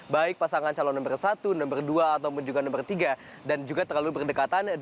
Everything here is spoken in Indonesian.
baik pasangan calon nomor satu nomor dua ataupun juga nomor tiga dan juga terlalu berdekatan